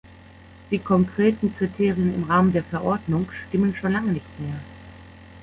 Die konkreten Kriterien im Rahmen der Verordnung stimmen schon lange nicht mehr.